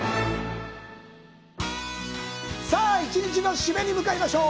さあ、１日の締めに向かいましょう。